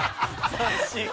◆斬新。